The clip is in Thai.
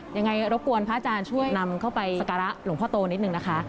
ยังไงรบกวนพระอาจารย์ช่วยนำเข้าไปสการะหลวงพ่อโตนิดนึงนะคะ